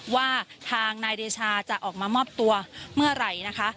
ว่าทางนายเดชาจะออกมามอบตัวเมื่อไหร่นะคะ